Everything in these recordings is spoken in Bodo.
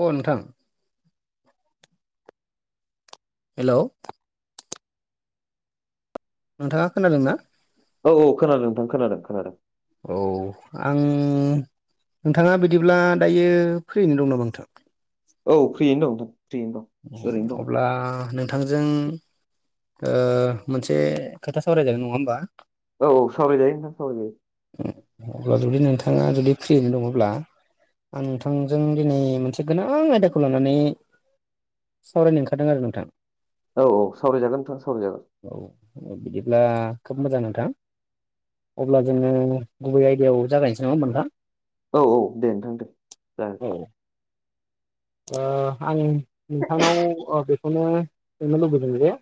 अ नोंथां। हेल' नोंथाङा खोनादों ना? औ औ खोनादों नोंथां खोनादों खोनादों। औ आं नोंथाङा बिदिब्ला दायो फैनो दं नामा नोंथां? औ फ्रियैनो दं। फ्रियैनो दं ओरैनो दं अब्ला नोंथांजों। ओ मोनसे खोथा सावरायदों नङा होमबा? औ सावराय जायो नोंथा सावराय जायो। थाङा जुदि फ्रियैनो दङब्ला। आं नोंथांजों दिनै मोनसे गोनां आयदाखौ लानानै। सावरायनो ओंखारदों आरो नोंथां। औ औ सावरायजागोन नोंथाङा सावरायजागोन। बिदिब्ला खोब मोजां नोंथां। अब्ला जोङो गुबै आयदायाव जागायनोसै नङा औ औ दे नोंथां दे जागोन। औ ओ आं नोंथांनाव ओ बेखौनो सोंनो लुबैदों जे।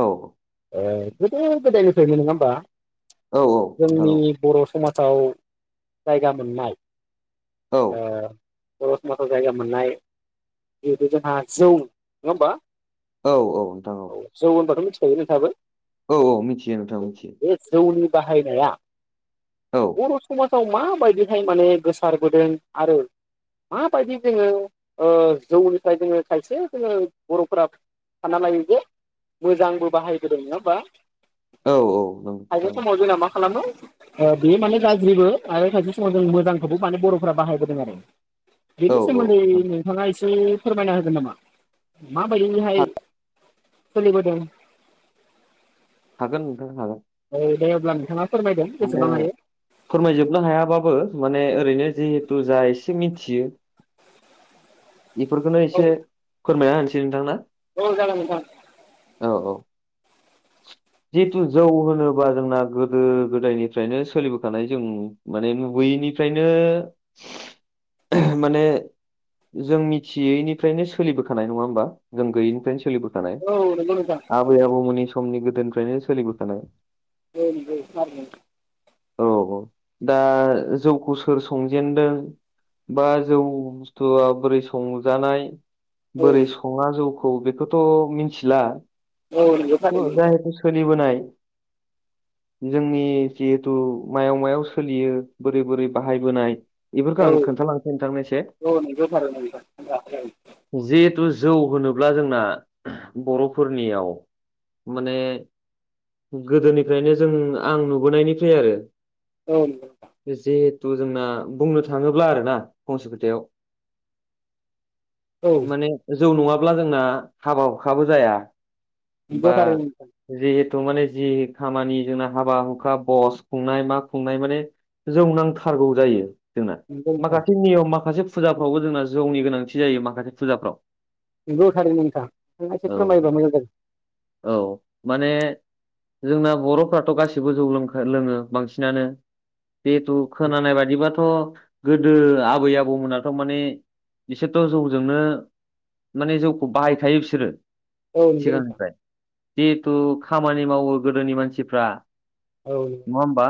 औ। ओ गोदो गोदायनिफ्रायनो नङा होमबा औ औ नोंथां जोंनि बर'। समाजाव जायगा मोननाय औ ओ बर' समाजाव जायगा मोन। मोननाय जिहेथु जोंहा नङा होमबा? औ औ नोंथां औ। सैनो थाबाय। औ औ मिथियो नोंथां मिथियो। जौनि बाहायनाया औ बर' समाज। आव माबायदिहाय माने गोसारबोदों आरो माबायदि। जोङो ओ जौनिफ्राय जोङो खायसे जोङो बर'फोरा सानना लायो जे। मोजांबो बाहायबोदों नङा होमबा? औ औ ओं खायसे औ। समाव जोंना मा खालामो ओ बेयो माने गाज्रिबो आरो खायसे समाव जों मोजांखौबो माने बर'फोरा बाहायबोदों आरो। औ बेनि औ सोमोन्दै नोंथां नोंथाङा एसे फोरमायना होगोन नामा माबायदिहाय? सोलिबोदों। हागोन नोंथां हागोन। ए अब्ला नोंथाङा। फोरमायदों माने बेसेबां हायो फोरमायजोबनो हायाबाबो माने। ओरैनो जिहेतु जा एसे मिथियो। बेफोरखौनो औ एसे फोरमायना होनोसै नोंथां ना। औ जागोन नोंथां। औ औ। [inaudible] जिहेथु जौ होनोबा जोंना गोदो गोदायनिफ्रायनो सोलिबोखानाय जों माने नुुबोयो। निफ्रायनो माने। जों मिथियैनिफ्रायनो सोलिबोखानाय नङा होमबा जों गैयैनिफ्रायनो सोलिबो। खानाय औ नंगौ नोंथां आबै आबौमोननि समनि गोदोनिफ्रायनो सोलिबोखानाय। [inaudible] औ औ दा जौखौ सोर संजेनदों। बा जौ। जौ आ बोरै संजानाय बोरै औ सङा जौखौ बेखौथ' मिथिला। औ नंगौ थारैनो नोंथां जाहेथु सोलिबोनाय। [inaudible] जोंनि जिहेथु मायाव मायाव सोलियो बोरै बोरै बाहायबोनाय औ बेफोरखौ आं खोनथालांनोसै नोंथांनो एसे [unintelligible] जिहेथु जौ होनोब्ला जोंना बर'फोरनियाव माने। गोदोनिफ्रायनो जों आं नुबोनायनिफ्राय आरो। औ। थु जोंना बुंनो थाङोब्ला आरो ना फंसे खोथायाव औ माने जौ नङाब्ला जोंना हाबा हुखाबो जाया। नंगौ बा थारैनो नोंथां जिह थ माने जि खामानि जोंना हाबा हुखा बस खुंनाय मा खुंनाय माने जौ नांथारगौ जायो। जोंना नंगौ नोंथां माखासे नियम माखासे फुजाफ्रावबो जोंना जौनि गोनांथि जायो माखासे फुजाफ्राव नंगौ थारैनो नोंथां नों एसे औ फोरमायोबा मोजां [unintelligible] औ माने जोंना बर'फ्राथ' गासिबो जौ लों लोङो बांसिनानो जिहेथु खोनानाय बायदिबा थ' गोदो आबै आबौमोना थ' माने बिसोरथ' जौजोंनो माने जौखौ बाहायखायो बिसोरो औ नंगौ नोंथां। सिगांनिफ्राय जिहेथु खामानि मावो गोदोनि मानसिफ्रा। औ नङा होमबा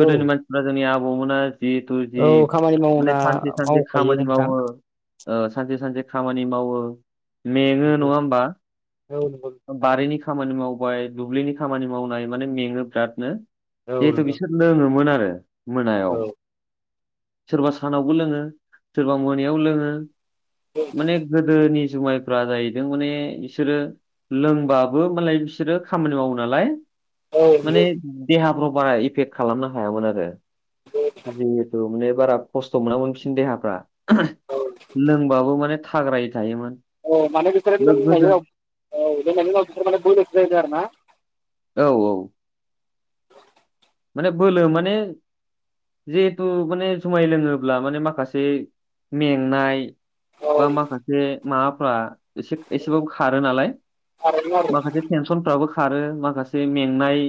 गोदोनि औ मानसिफ्रा जोंनि आबौमोना। जिहेथु जि औ खामानि माने मावना सानसे सानसे मावखायो खामानि नोंथां मावो। ओ सानसे सानसे खामानि मावो। मेङो नंगौ नङा होमबा औ नंगौ नोंथां थारैनो बारिनि खामानि माव बाय दुब्लिनि खामानि मावनाय माने मेङो बिरादनो औ जिहेथु नंगौ बिसोर लोङोमोन आरो। मोनायाव औ सोरबा सानावबो लोङो सोरबा मोनायाव लोङो। माने गोदोनि जुमायफ्रा जाहैदों माने बिसोरो लोंबाबो मालाय बिसोरो खामानि मावो नालाय। औ माने नंगौ देहाफ्राव बारा इफेक्ट खालामनो हायामोन आरो जिहेथु माने बारा खस्थ' मोनामोन बिसिनि देहाफ्रा औ लोंबाबो माने थाग्रायै थायोमोन। औ माने बिसोरो लोंनायनि लोगोजों उनाव औ लोंनायनि उनाव बोलोसो जादों आरोना औ औ [inaudible] माने बोलो माने जिहेथु माने जुमाय लोमोब्ला माने माखासे मेंनाय औ बा माखासे माबाफ्रा एसे एसेबाबो खारो नालाय थारैनो आरो माखासे टेनसनफ्राबो खारो माखासे मेंनाय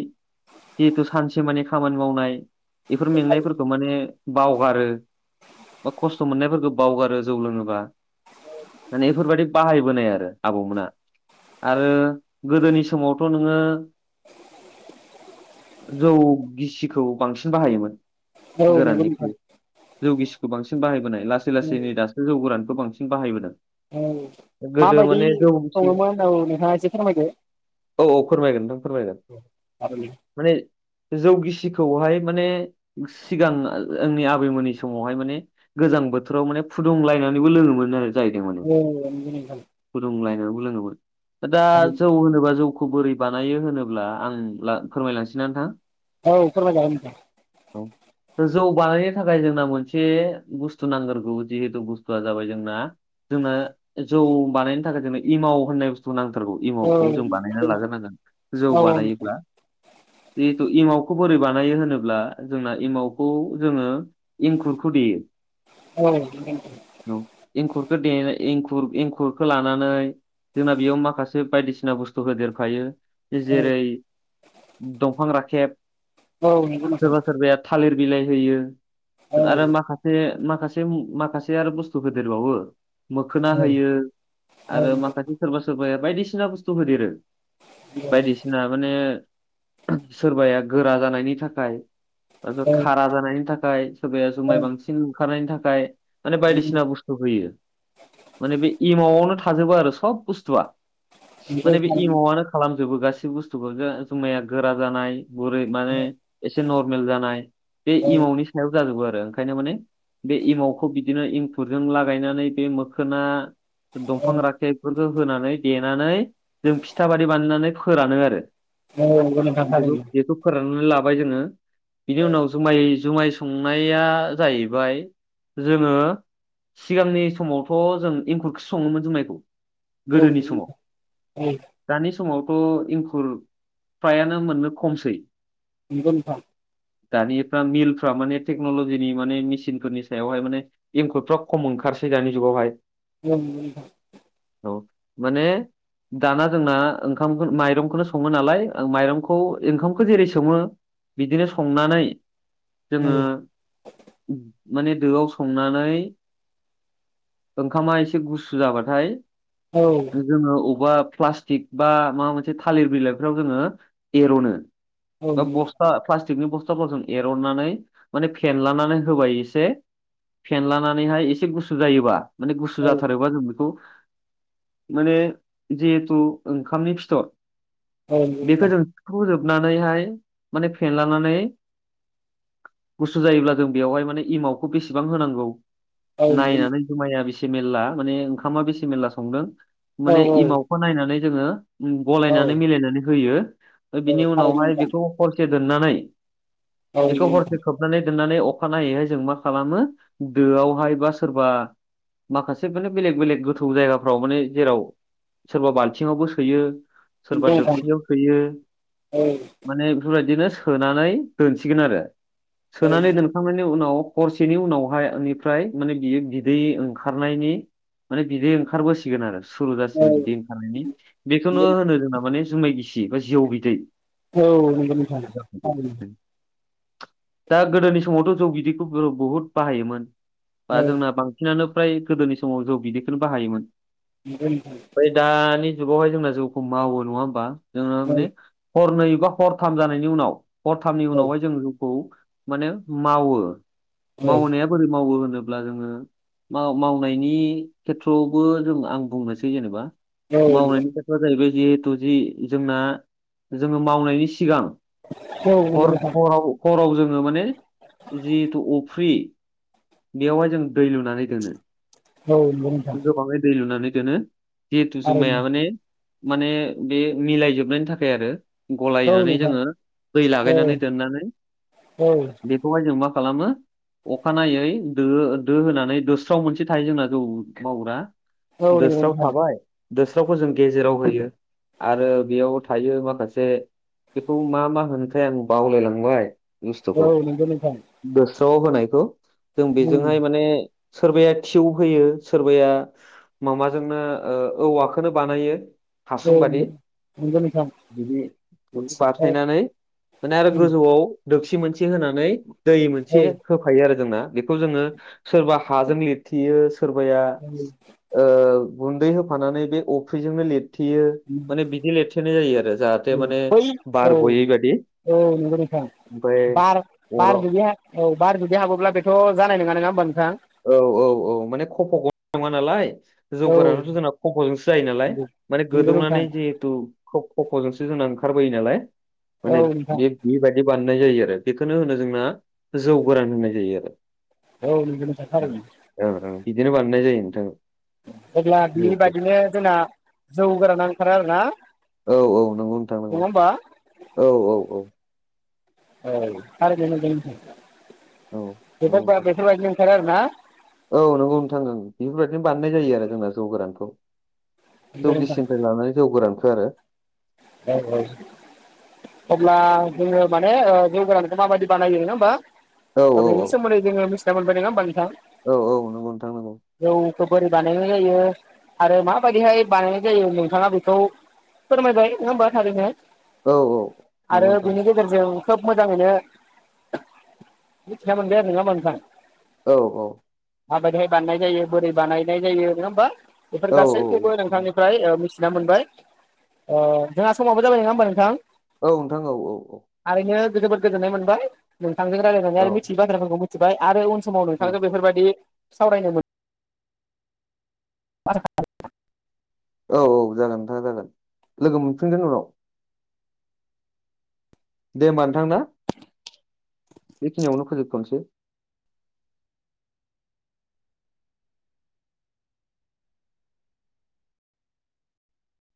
जिहेथु सानसे मानानि खामानि मावनाय बेफोर मेंनायफोरखौ माने बावगारो बा खस्थ' मोननायफोरखौ बावगारो जौ लोङोबा माने बेफोरबायाददि बाहायबोनाय आरो आबौमोना आरो गोदोनि समावथ' नोङो [inaudible] जौ गिसिखौ बांसिन बाहायोमोन औ नंगौ नोंथां गोराननिख्रुइ जौ गिसि बांसि बाहायबोनाय लासै औ लासै दासो जौ गोरानखौ बांसिन बाहायबोदों औ गोदो माबायदि माने जौ गिसि सङोमोन होननाव नोंथाङा एसे फोरमायदो औ औ फोरमायगोन नोंथां फोरमायगोन औ माने जौगिसिखौहाय माने सिगां आंनि आबैमोननि समावहाय माने गोजां बोथोराव माने फुदुंलायनानैबो लोङोमोन आरो जाहैदों माने नंगौ नोंथां फुदुंलाय लोङोमोन दा जौ थारैनो होनोबा जौ खौ बोरै बानायो होनोब्ला आं फोरमायलांसै नोंथां औ फोरमायजागोन नोंथां औ जौ बानायनो थाखाय जोंना मोनसे बुस्थु नांग्रोगौ जिहेथु बुस्थुआ जाबाय जोंना जोंनो जौ बानायनो थाखाय जोंनो इमाव होननाय बुस्थुखौ नां थारगौ औ इमावखौ जों बानायना लाग्रोनांगोन जौ औ औ नोंथां बानायोब्ला जिहेथु एमावखौ बोरै बानायो होनोब्ला जोंना एमावखौ जोङो एंखुरखौ देयो औ बेखौ दे एंखुर एंखुरखौ लानानै जोंना बेयाव माखासे बायदिसिना बुस्थुफोर होदेरफायो जेरै दंफां राखेब नंगौ सोरबा थारैनो सोरबाया थालिर बिलाइ होयो औ आरो माखासे माखासे माखासे आरो बुस्थु होदेरबावो मोखोना होयो आरो माखासे सोरबा सोरबाया बायदिसिना बुस्थु होदेरो बायदिसिना माने सोरबाया गोरा जानायनि थाखाय ओ खारा जानायनि थाखाय सोरबाया जुमाय बांसिन ओंखारनायनि थाखाय माने बायदिसिना बुस्थु होयो माने बे एमावआवनो थाजोबो आरो सब बुस्थुआ माने बे इमावआनो खालामजोबो गासैबो बुस्थुखौ जुमाया गोरा जानाय गुरै माने एसे नरमेल जानाय बे इमावनि सायाव जाजोबो आरो आरो ओंखायनो माने बे एमावखौ बिदिनो इंखुरजों लागायनानै बे मोखोना दफां औ राखेब जों होनानै देनानै जों फिथा बादि बानायनानै फोरानो आरो औ नंगौ नोंथां थारैनो खौनो लाबाय जोङो बिनि औ उनावसो माइ जि जुमाय संनाया जाहैबाय जोङो सिगांनि समावथ' जों एंखुरखौसो सङोमोन जुमाइखौ औ गोदोनि नंगौ समाव नोंथां औ दानि समावथ' इंखुर फ्रायानो मोननो खमसै नंगौ नोंथां दानिफ्रा मिलफ्रा माने टेक्न'लजिनि माने मेसिनफोरनि सायावहाय माने एंखुरफ्रा खम ओंखार खारसै दानि जुगावहाय उम नंगौ नोंथां ओ माने दाना जोंना ओंखामखौनो माइरंखौनो सङो नालाय ओं माइरंखौ ओंखामखौ जेरै सङो बिदिनो संनानै जोङो नोंथां माने दोआव संनानै ओंखामा एसे गुसु जाबाथाय औ जोङो अबा प्लास्टिक बा माबा मोनसे थालिर बिलाइफ्राव जोङो एर'नो औ बा नंगौ बसथा फ्लास थिक बस्थाफोरजों एरननानै माने फेनलानानै होबाय एसे फेनलानानैहाय एसे गुसु जायोबा माने गुसु जाथारोबा जों बेखौ माने जिहेथु ओंखामनि फिथर बेखौ नोंथां जों सुखु जोबनानैहाय माने फेनलानानै गुसु जायोब्ला जों बेवहाय माने इमावखौ बेसेबां होनांगौ औ नंगौ नायनानै जुमाया बेसे मेरला माने ओंखामा बेसे मेरला संदों माने नोंथां औ इमावखौ नायनानै जोङो औ गलायनानै मिलायनानै होयो ओमफाय औ बिनि थारैनो उनावहाय नोंथां बेखौ हरसे दोननानै औ बेखौ नोंथां हरसे खोबनानै दोननानै अखा नायैहाय जों मा खालामो दोआवहाय बा सोरबा माखासे माने बेलेग बेलेग गोथौ जायगाफ्राव माने जेराव सोरबा बाल्थिङावबो सोयो सोरबा नंगौ नोंथां दोबसियाव सोयो औ माने बेफोरबायदिनो सोनानै दोनसिगोन आरो औ सोनानै दोनखांनायनि उनाव हरसेनि उनावहाय बेनिफ्राय माने बियो बिदै ओंखारनायनि माने बिदै ओंखारबोसिगोन आरो सुरु जासिगोन नंगौ बिदै खानायनि बेखौनो होनो जोंना माने जुमाय गिसि बा जौ बिदै औ नंगौ नोंथां दा गोदोनि समावथ' जौ बिदैखौ गोदो बुहुद बाहायोमोन औ बा जोंना बांसिनानो फ्राय गोदोनि समाव जौ बिदैखौनो बाहायोमोन नंगौ नोंथां ओमफाय दानि जुगावहाय जोंना जौखौ मावो नङा होमबा जोङो औ माने हरनै बा हरथाम जानायनि उनाव हरथामनि औ उनावहाय जोङो खौ माने मावो औ मावनाया बोरै मावो होन होनोब्ला जोङो माव मावनायनि खेथ्रआवबो जों आं बुंनोसै जेनेबा नंगौ औ नंगौ नोंथां मावनायनि खोथाआ जाहैबाय जिहेथु जि जोंना जोङो मावनायनि सिगां हर हराव हराव जोङो माने जिहेथु उ फ्रि बेयावहाय जों दै लुनानै दोनो औ नंगौ नोंथां गोबाङै दै लुनानै दोनो जिहेथु थारैनो जुमाया माने माने बे मिलायजोबनायनि थाखाय आरो औ गलायनानै नोंथां जोङो दै औ लागायनानै दोननानै औ बेखौहाय जों मा खालामो अखानायै दो दो होनानै दोस्राव मोनसे थायो जोंना जौ मावग्रा औ नंगौ दोस्राव नोंथां थाबाय दोस्रावखौ जों गेजेराव होयो आरो बेयाव थायो माखासे बेखौ मा मा होनोथाय आं बावलायलांबाय औ नोंगौ नोंथां स्रआव होनायखौ जों उम बेजोंहाय माने सोरबाया थिउ होयो सोरबाया माबाजोंनो ओ औवाखोनो बानायो औ हासुंबादि नंगौ नंगौ नोंथां बिदि औ बाथायनानै माने आरो उम गोजौआव दोखसि मोनसे होनानै दै औ मोनसे होफायो आरोख जोंना बेखौ जोङो सोरबा हाजों लिरथियो सोरबाया औ ओ गुन्दै होफानानै बे अफ्रिजोंनो लिरथेयो माने बिदि लिरथेनाय जायो आरो औ जाहाथे माने बै औ बार गयै बादि औ नोंगौ नोंथां। ओमफ्राय बार बार अराव जुदि औ बार जुदि हाबोब्ला बेथ' जानाय नङा नङा होमबानों औ औ औ माने खफ' ग नङा नालाय। औ जौगोरानाथ' जोंना खफ जोंसो जायो नालाय माने नंगौ नोंथां गोदौनानै जिहेथु खफ खफ' जोंसो जोंना ओंखारबोयो नालाय औ माने नोंथां बे बेबायदि बानाय नाय जायो आरो बेखौनो होनो जोंना जौ गोरान होननाय जायो आरो औ नोंगौ नोंगौ। औ औ बिदिनो बानायनाय जायो नोंथां। अब्ला जौखौ बेबायदिनो जोंना जौ गोराना ओंखारा आरो ना। औ औ नंगौ नोंथां नंगौ नङा होमबा औ औ औ। औ थारैनो नोंथां औ नंगौ नोंथां बेफोरबादिनो ओंखारो आरो ना। औ नोंगौ नोंथां ओं बेफोरबायदिनो बानायनाय जायो आरो जोंना जौ गोरानखौ नंगौ जौ नोंथां गिसिनिफ्राय लानानै जौ गोरानखो आरो। औ औ। अब्ला जोङो माने ओ जौ गोरानखो मा बायदि बानायो नङा औ होमबा। बेनि सोमोन्दै जोङो मिथिना मोनबाय नङा होमबा नोंथां औ औ नंगौ नोंथां नंगौ औ। बोरै बानायनाय जायो आरो माबायदिहाय बानायनाय जायो नोंथाङा बेखौ फोरमायबाय नङा होमबा थारैनो औ औ नंगौ आरो नोंथां बेनि गेजेरजों खोब मोजाङैनो मिथिनामोनबाय आरो नङा होमबा नोंथां। औ औ। माबायदि हाय बानायनाय जायो बोरै बानायनाय जायो नङा होमबा बेफोर औ गासैखौबो नोंथांनिफ्राय थिना मोनबाय ओ जोंहा समाबो जाबाय नङा होमबा नोंथां। औ नोंथां औ औ औ। थारैनो जोबोद गोजोननाय मोनबाय नोंथांजों रायलायनानै औ आरो मिथियै बाथ्रा फोरखौ मिथिबाय आरो। समाव औ नोंथांखौ बेफोरबायदि सावरायनो मोनो। आरो औ औ जागोन नोंथा जागोन लोगो मोनफिनगोन उनाव दे होमबा नोंथां ना। बेखिनियावनो फोजोबथ'नोसै।